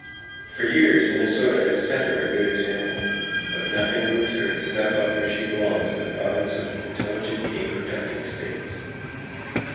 For years Minnesota has set her a good example; but nothing moves her to step up where she belongs in the phalanx of intelligent game protecting states.